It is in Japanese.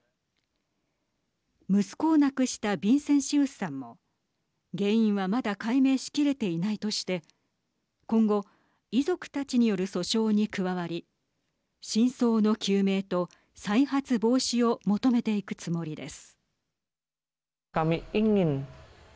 息子を亡くしたビンセンシウスさんも原因はまだ解明しきれていないとして今後、遺族たちによる訴訟に加わり真相の究明と再発防止を求めていくつもりです。